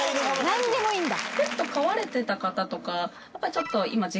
何でもいいんだ。